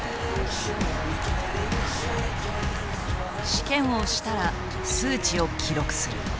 試験をしたら数値を記録する。